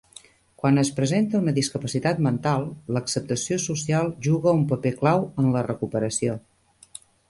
Quan es presenta una discapacitat mental, l'acceptació social juga un paper clau en la recuperació.